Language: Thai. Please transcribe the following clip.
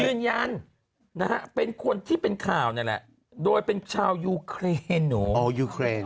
ยืนยันนะฮะเป็นคนที่เป็นข่าวนี่แหละโดยเป็นชาวยูเครนหนูอ๋อยูเครน